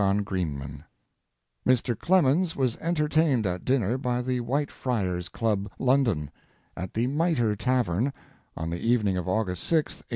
ON STANLEY AND LIVINGSTONE Mr. Clemens was entertained at dinner by the Whitefriars' Club, London, at the Mitre Tavern, on the evening of August 6, 1872.